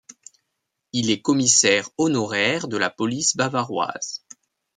Il est commissaire honoraire de la police bavaroise.